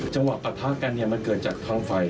จังหวะประทะกันมันเกิดจากทางไฟ